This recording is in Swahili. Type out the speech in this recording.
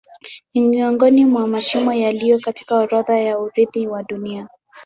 Ni miongoni mwa mashimo yaliyo katika orodha ya urithi wa Dunia.